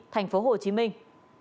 thành phố hồ chí minh